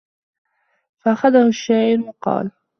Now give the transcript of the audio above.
فَأَخَذَهُ الشَّاعِرُ وَقَالَ